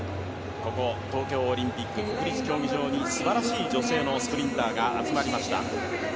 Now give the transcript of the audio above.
東京オリンピック国立競技場に素晴らしい女性のスプリンターが集まりました。